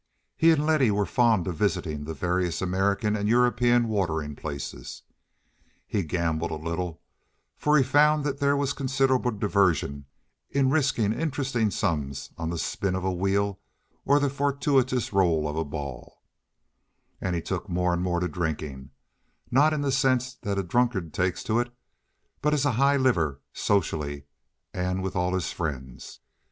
He and Letty were fond of visiting the various American and European watering places. He gambled a little, for he found that there was considerable diversion in risking interesting sums on the spin of a wheel or the fortuitous roll of a ball; and he took more and more to drinking, not in the sense that a drunkard takes to it, but as a high liver, socially, and with all his friends.